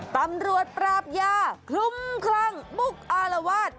ตำรวจปราบยาคลุ้มคลั่งมุกอารวาส